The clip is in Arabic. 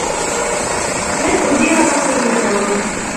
لن أدير ظهري لِتوم.